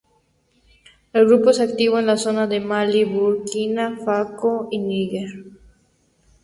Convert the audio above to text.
El grupo es activo en la zona de Mali, Burkina Faso y Níger.